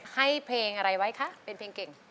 ให้เพลงอะไรไว้คะเป็นเพลงเก่ง